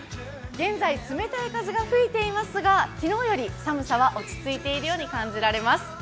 現在冷たい風が吹いていますが、昨日より寒さは落ち着いているように感じます。